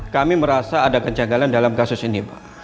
kami merasa ada kejanggalan dalam kasus ini pak